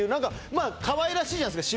まあかわいらしいじゃないですか